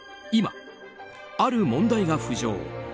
今、ある問題が浮上。